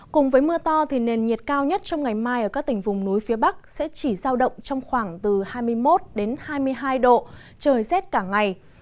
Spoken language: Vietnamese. cùng với mưa to thì nền nhiệt cao nhất trong ngày mai ở các tỉnh vùng núi phía bắc sẽ chỉ giao động trong khoảng từ hai mươi một hai mươi hai độ trời rét cả ngày